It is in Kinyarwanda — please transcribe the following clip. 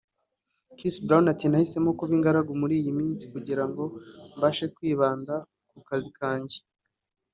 Chris Brown yagize ati “Nahisemo kuba ingaragu muri iyi minsi kugirango mbashe kwibanda ku kazi kanjye